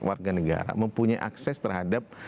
warga negara mempunyai akses terhadap